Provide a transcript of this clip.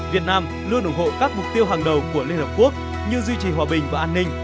việt nam luôn ủng hộ các mục tiêu hàng đầu của liên hợp quốc như duy trì hòa bình và an ninh